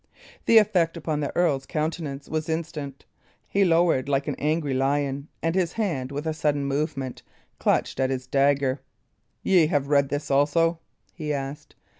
The effect upon the earl's countenance was instant; he lowered like an angry lion, and his hand, with a sudden movement, clutched at his dagger. "Ye have read this also?" he asked.